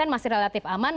masih relatif aman